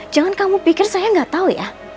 jangan kamu pikir saya nggak tahu ya